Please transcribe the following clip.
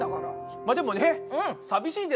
まあでもねさみしいですけど。